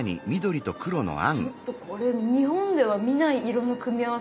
ちょっとこれ日本では見ない色の組み合わせですね。